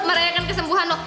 mereka kesembuhan loh